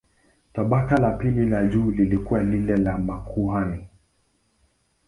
Tabaka la pili la juu lilikuwa lile la makuhani.